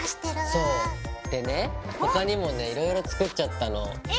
そうでね他にもねいろいろ作っちゃったの。え！